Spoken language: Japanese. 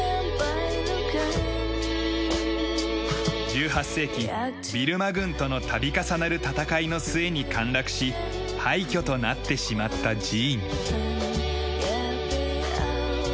１８世紀ビルマ軍との度重なる戦いの末に陥落し廃虚となってしまった寺院。